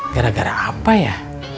gara gara apa ya